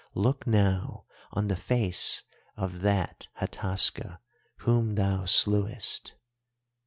Look now on the face of that Hataska whom thou slewest.